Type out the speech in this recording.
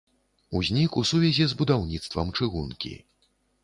Узнік у сувязі з будаўніцтвам чыгункі.